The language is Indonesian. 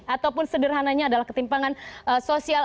ataupun sederhananya adalah ketimpangan sosial